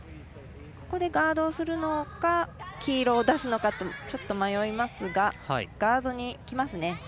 ここでガードをするのか黄色を出すのか迷いますがガードにきますね。